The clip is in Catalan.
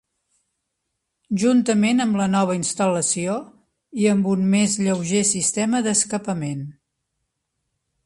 Juntament amb la nova instal·lació, i amb un més lleuger sistema d'escapament.